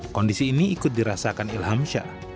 kondisi ini ikut dirasakan ilham shah